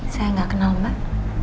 saya gak kenal mbak